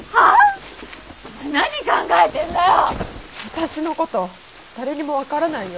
私のこと誰にも分からないよ。